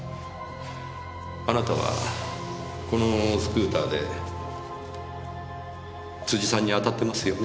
あなたはこのスクーターで辻さんにあたってますよね？